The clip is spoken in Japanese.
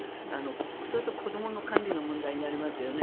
そうすると子どもの管理の問題になりますよね。